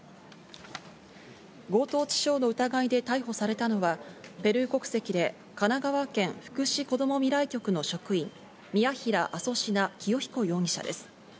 強盗致傷の疑いで逮捕されたのはペルー国籍で神奈川県福祉子どもみらい局の職員、ミヤヒラ・アソシナ・キヨヒコ容疑者です。